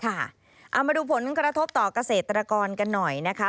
เอามาดูผลกระทบต่อเกษตรกรกันหน่อยนะคะ